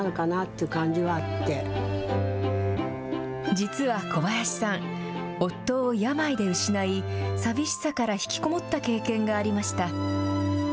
実は小林さん夫を病で失い寂しさから引きこもった経験がありました。